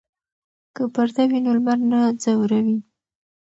که پرده وي نو لمر نه ځوروي.